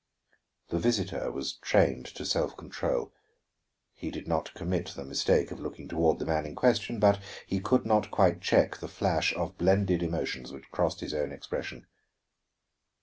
The visitor was trained to self control; he did not commit the mistake of looking toward the man in question. But he could not quite check the flash of blended emotions which crossed his own expression.